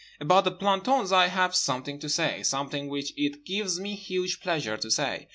About the plantons I have something to say, something which it gives me huge pleasure to say.